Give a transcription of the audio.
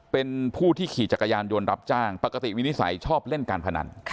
เป็นผู้ที่ขี่จักรยานยนต์รับจ้างปกติวินิสัยชอบเล่นการพนัน